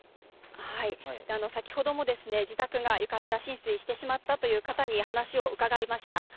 先ほども、自宅が床下浸水してしまったという方に話を伺いました。